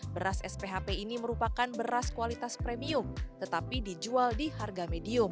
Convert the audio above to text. beras sphp ini merupakan beras kualitas premium tetapi dijual di harga medium